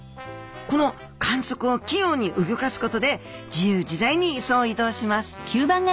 この管足を器用にうギョかすことで自由自在に磯を移動します。